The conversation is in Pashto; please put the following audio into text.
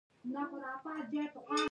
زما نوم احمد دی